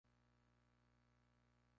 Reale Soc.